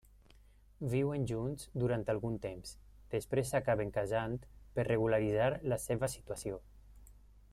Viuen junts durant algun temps, després s'acaben casant per regularitzar la seva situació.